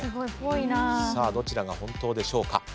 どちらが本当でしょうか。